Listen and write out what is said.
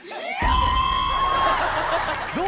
どう？